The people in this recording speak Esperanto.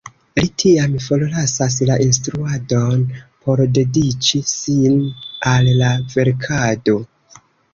Li tiam forlasas la instruadon por dediĉi sin al la verkado.